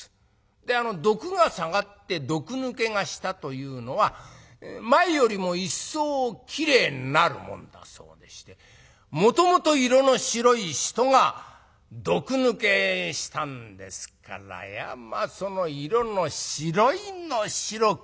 で毒が下がって毒抜けがしたというのは前よりも一層きれいになるもんだそうでしてもともと色の白い人が毒抜けしたんですからいやまあ色の白いの白くないの。